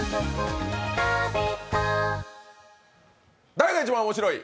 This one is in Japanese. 誰が一番面白い！？